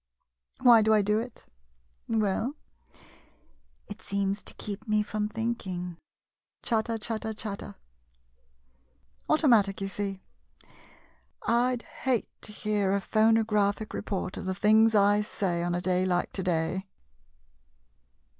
Why do I do it? Well — it seems to keep me from thinking. Chat ter — chatter — chatter — automatic, you see. I 'd hate to hear a phonographic report of the things I say on a day like to day.